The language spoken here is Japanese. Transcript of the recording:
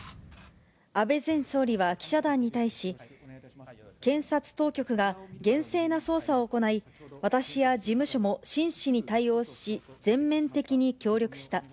安倍前総理は記者団に対し、検察当局が厳正な捜査を行い、私や事務所も真摯に対応し、全面的に協力した。